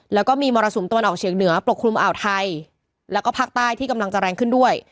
แล้วก็มีมรสุมตะวันออกเฉียงเหนือปกคลุมอ่าวไทยแล้วก็ภาคใต้ที่กำลังจะแรงขึ้นด้วย